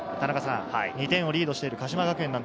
２点をリードしている鹿島学園。